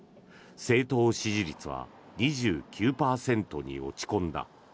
政党支持率は２９％に落ち込んだ。